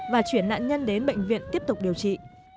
và chuyển nạn nhân đến bệnh viện tiếp tục điều trị